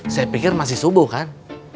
saya pikir masih subuh kan